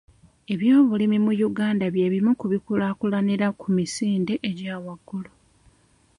Ebyobulimi mu Uganda bye bimu ku bikulaakulanira ku misinde egya waggulu.